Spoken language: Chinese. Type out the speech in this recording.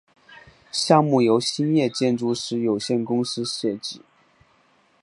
项目由兴业建筑师有限公司设计。